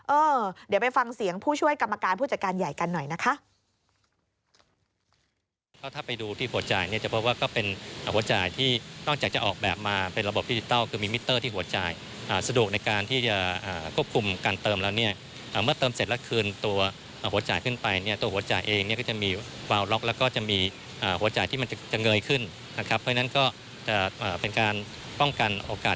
เออเดี๋ยวไปฟังเสียงผู้ช่วยกรรมการผู้จัดการใหญ่กันหน่อยนะคะ